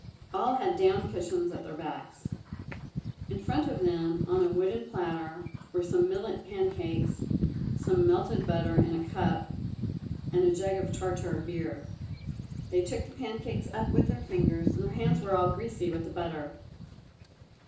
All had down cushions at their backs. In front of them, on a wooden platter, were some millet pancakes, some melted butter in a cup and a jug of Tartar beer. They took the pancakes up with their fingers, and their hands were all greasy with the butter.